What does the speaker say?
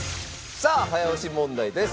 さあ早押し問題です。